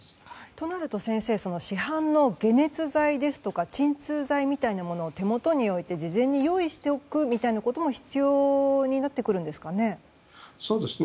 となると先生市販の解熱剤や鎮痛剤を手元に置いて、事前に用意しておくみたいなことも必要になってくるんですかね。